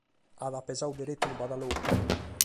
At pesadu deretu unu badalocu.